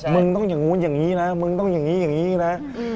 มึงต้องอย่างนู้นอย่างนี้นะมึงต้องอย่างนี้อย่างนี้นะ